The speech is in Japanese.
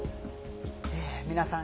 皆さん